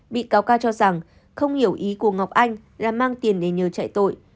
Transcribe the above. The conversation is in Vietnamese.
bị cáo ca cho rằng không hiểu ý của ngọc anh là mang tiền để nhờ chạy tội